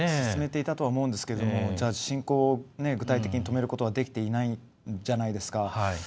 進めていたとは思うんですが、侵攻を具体的に止めることはできていないじゃないですか。